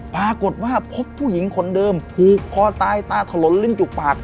ปรากฏว่าพบผู้หญิงคนเดิมผูกคอตายตาถลนลิ้นจุกปาก